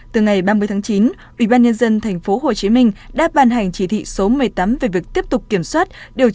từ ngày ba mươi tháng chín ubnd tp hcm đã ban hành chỉ thị số một mươi tám về việc tiếp tục kiểm soát